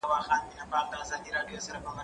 زه به اوږده موده مځکي ته کتلې وم،